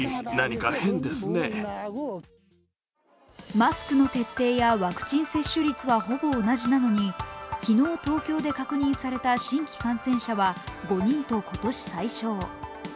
マスクの徹底やワクチン接種率はほぼ同じなのに昨日東京で確認された新規感染者は５人と今年最少。